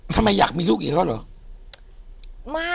ทำไมอยากมีลูกอีกแล้วเหรอ